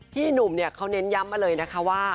พี่หนุ่มเขาเน้นย้ำมาเลยนะคะว่า